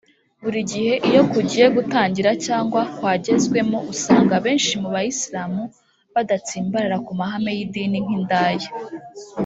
buri gihe iyo kugiye gutangira cyangwa kwagezwemo usanga benshi mu bayisilamu badatsimbarara ku mahame y’idini nk’indaya